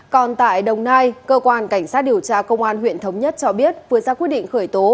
còn tại đồng nai cơ quan cảnh sát điều tra công an huyện thống nhất cho biết vừa ra quyết định khởi tố